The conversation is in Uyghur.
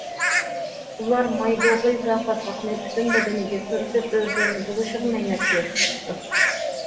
ئۇلار ماي دۇغى ۋە پاتقاقنى پۈتۈن بەدىنىگە سۈرتۈپ، ئۆزلىرىنى بولۇشىغا مەينەت كۆرسىتىپتۇ.